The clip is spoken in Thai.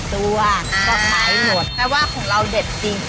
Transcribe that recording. แต่ว่าของเราเด็ดจริง